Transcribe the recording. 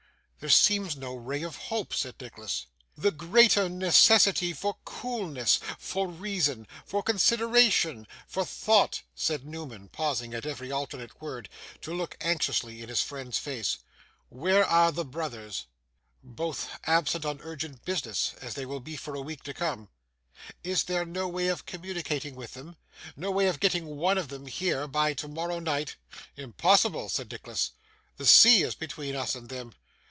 'There seems no ray of hope,' said Nicholas. 'The greater necessity for coolness, for reason, for consideration, for thought,' said Newman, pausing at every alternate word, to look anxiously in his friend's face. 'Where are the brothers?' 'Both absent on urgent business, as they will be for a week to come.' 'Is there no way of communicating with them? No way of getting one of them here by tomorrow night?' 'Impossible!' said Nicholas, 'the sea is between us and them.